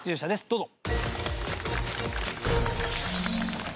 どうぞ。